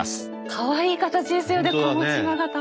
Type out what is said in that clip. かわいい形ですよね子持勾玉。